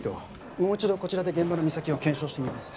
もう一度こちらで現場の岬を検証してみます。